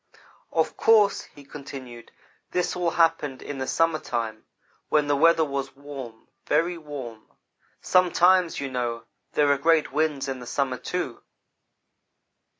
"Of course," he continued, " this all happened in the summer time when the weather was warm, very warm. Sometimes, you know, there are great winds in the summer, too.